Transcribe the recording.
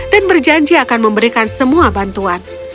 dan berjanji akan memberikan semua bantuan